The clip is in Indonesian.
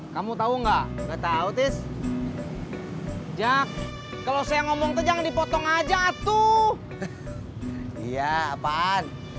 kamu tahu nggak betahotis jak kalau saya ngomong tegang dipotong aja tuh iya apaan